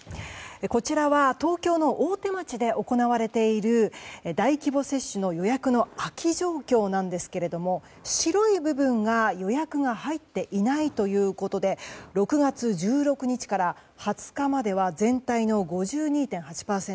こちらは東京の大手町で行われている大規模接種の予約の空き状況なんですけれども白い部分が予約が入っていないということで６月１６日から２０日までは全体の５２．８％。